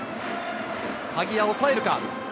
鍵谷抑えるか。